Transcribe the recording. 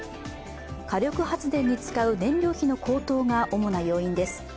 火力発電に使う燃料費の高騰が主な要因です。